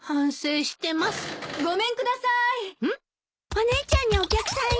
お姉ちゃんにお客さんよ。